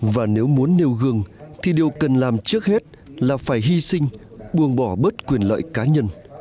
và nếu muốn nêu gương thì điều cần làm trước hết là phải hy sinh buồng bỏ bớt quyền lợi cá nhân